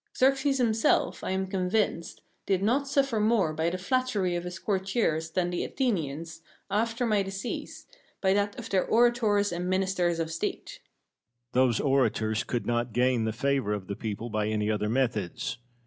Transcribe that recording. Xerxes himself, I am convinced, did not suffer more by the flattery of his courtiers than the Athenians, after my decease, by that of their orators and Ministers of State. Cosmo. Those orators could not gain the favour of the people by any other methods.